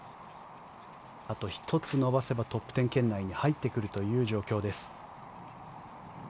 あと１つ伸ばせばトップ１０圏内に入ってくるという状況です。